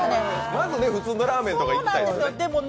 まず、普通のラーメンとかいきたいですもんね。